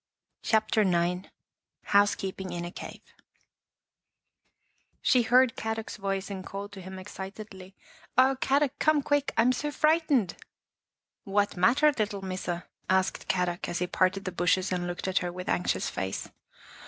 CHAPTER IX HOUSEKEEPING IN A CAVE She heard Kadok's voice and called to him excitedly, " Oh, Kadok, come quick ! I am so frightened! "" What matter, little Missa?" asked Kadok as he parted the bushes and looked at her with anxious face.